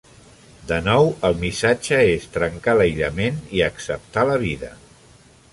De nou el missatge és trencar l'aïllament i acceptar la vida.